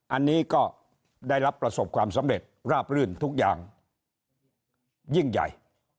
อันนี้ก็ได้รับประสบความสำเร็จราบรื่นทุกอย่างยิ่งใหญ่